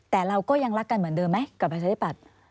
แต่เราก็ยังรักกันเหมือนเดิมไหมกับประชาธิปัตย์